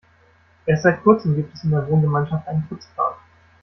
Erst seit kurzem gibt es in der Wohngemeinschaft einen Putzplan.